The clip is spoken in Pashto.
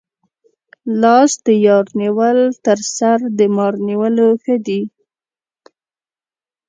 لاس د یار نیول تر سر د مار نیولو ښه دي.